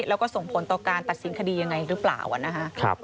แล้วก็ส่งผลต่อการตัดสินคดีอย่างไรหรือเปล่า